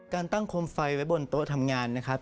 การตั้งโคมไฟไว้บนโต๊ะทำงานนะครับ